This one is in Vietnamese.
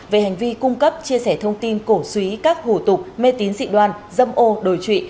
về hành vi cung cấp chia sẻ thông tin cổ suý các hủ tục mê tín dị đoan dâm ô đối trụy